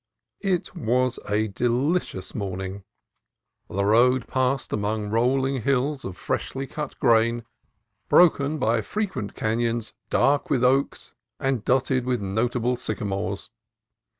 It was a delicious morning. The road passed among rolling hills of freshly cut grain, broken by 92 CALIFORNIA COAST TRAILS frequent canons dark with oaks and dotted with notable sycamores.